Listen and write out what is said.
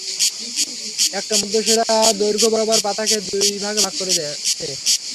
একটা মধ্য-শিরা দৈর্ঘ্য বরাবর পাতাকে দুই ভাগে ভাগ করেছে।